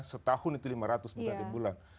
setahun itu lima ratus bukan tiap bulan